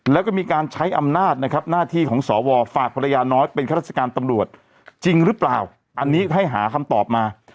และก็มีการใช้อำนาจนาภาพฝากภรรยาน้อยเป็นฆาตรราศกรรมตำรวจจึงรึเปล่าอันนี้ให้หาค่ำตอบมา